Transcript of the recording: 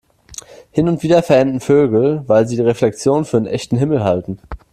Hin und wieder verenden Vögel, weil sie die Reflexion für den echten Himmel halten.